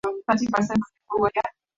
kuhusu dawa za kulevya pombe kafeni na